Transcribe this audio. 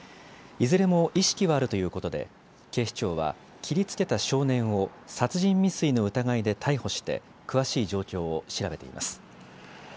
いずれも意識はあるということで警視庁は切りつけた少年を殺人未遂の疑いで逮捕して詳しい状況を調べています。